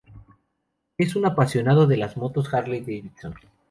Es un apasionado de las motos Harley-Davidson.